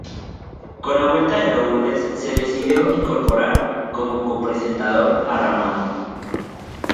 Con la vuelta de Lourdes se decidió incorporar como copresentador a Ramón.